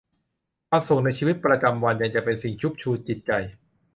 ความสุขในชีวิตประจำวันยังจะเป็นสิ่งชุบชูจิตใจ